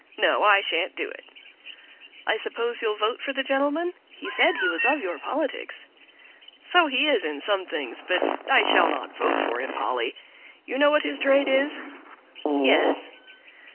No, I shan't do it." "I suppose you'll vote for the gentleman? He said he was of your politics." "So he is in some things, but I shall not vote for him, Polly; you know what his trade is?" "Yes."